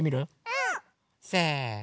うん！せの！